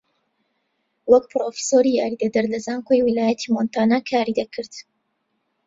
وەک پرۆفیسۆری یاریدەدەر لە زانکۆی ویلایەتی مۆنتانا کاری دەکرد